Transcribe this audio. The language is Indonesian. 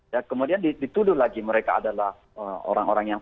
ya kemudian dituduh lagi mereka adalah orang orang yang